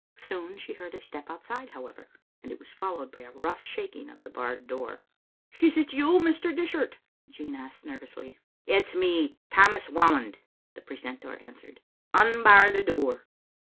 Soon she heard a step outside, however, and it was followed by a rongh shaking of the barred door. "Is it yon, Mr. Dishart?" Jean asked nervously. "It's me, Tammas Whamond," the precentor an swered. " Unbar the door.